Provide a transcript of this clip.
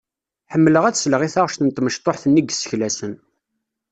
Ḥemmleɣ ad sleɣ i taɣect n tmecṭuḥt-nni i yesseklasen.